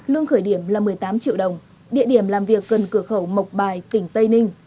lương khởi điểm là một mươi tám triệu đồng địa điểm làm việc gần cửa khẩu mộc bài tỉnh tây ninh